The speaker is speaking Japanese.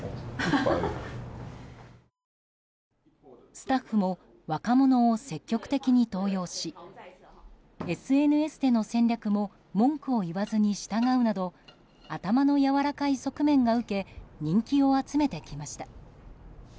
スタッフも若者を積極的に登用しＳＮＳでの戦略も文句を言わずに従うなど頭のやわらかい側面が受け人気を集めてきました。